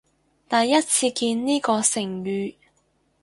第一次見呢個成語